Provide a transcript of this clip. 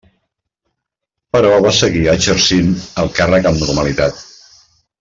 Però va seguir exercint el càrrec amb normalitat.